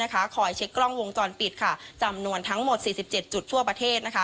คอยเช็คกล้องวงจรปิดจำนวนทั้งหมด๔๗จุดทั่วประเทศ